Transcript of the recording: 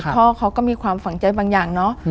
พ่อเขาก็มีความฝังใจบางอย่างเนอะ